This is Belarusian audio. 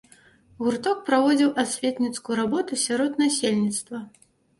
Гурток праводзіў асветніцкую работу сярод насельніцтва.